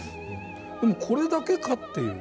でもこれだけかっていう。